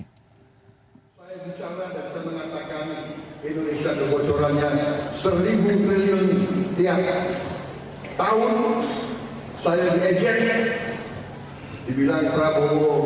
saya bicara dan saya mengatakan indonesia kebocoran yang seribu triliun tiang tiang